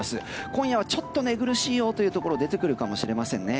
今夜はちょっと寝苦しいよというところ出てくるかもしれませんね。